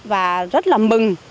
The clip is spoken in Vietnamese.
và rất là mừng